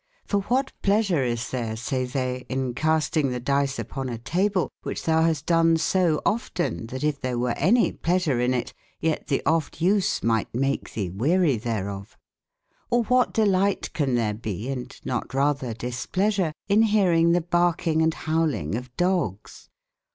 f orwbat plea sure is tbere, saye tbey, in castinge tbe dice upon a table, wbicb tbou bast done so often, tbat if tbere wer any pleasure in it, yet tbe oft use migbt make tbee werietbereofPj^Orwbat deli te can tbere be,&notratberdyspleasureinbearynge tbe barkynge and bovvlynge of dogges